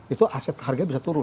itu aset harga bisa turun